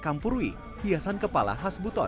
kampurwi hiasan kepala khas buton